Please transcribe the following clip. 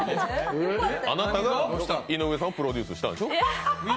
あなたが井上さんをプロデュースしたんでしょ。